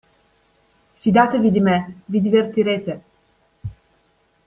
Fidatevi di me, vi divertirete.